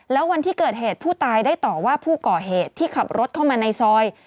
แล้ววันที่เกิดเหตุผู้ตายได้ต่อว่าผู้ก่อเหตุที่ขับรถเข้ามาในซอย